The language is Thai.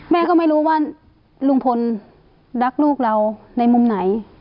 แม่ก็ไม่รู้ว่าลุงพลรักลูกเราในมุมไหน